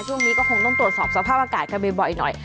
ช่วงนี้ก็คงต้องตรวจสอบสภาพอากาศกันบ่อยหน่อย